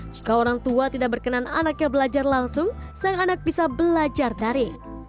jika orang tua tidak berkenan anak yang belajar langsung sayang anak bisa belajar dari